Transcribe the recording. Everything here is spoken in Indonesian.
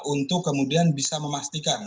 untuk kemudian bisa memastikan